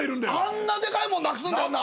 あんなでかいもんなくすんだよな！